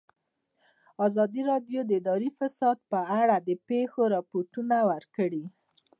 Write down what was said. ازادي راډیو د اداري فساد په اړه د پېښو رپوټونه ورکړي.